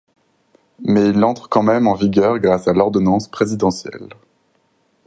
Mais il entre quand même en vigueur grâce à l'ordonnance présidentielle.